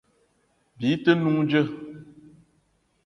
Bi te n'noung djeu?